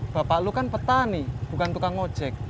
bapak lu kan petani bukan tukang ojek